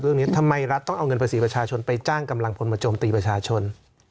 เรื่องนี้ทำไมรัฐต้องเอาเงินภาษีประชาชนไปจ้างกำลังพลมาโจมตีประชาชน